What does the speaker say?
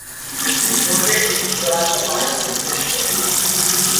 পূর্বে এটি উত্তরাঞ্চল নামে পরিচিত ছিলো।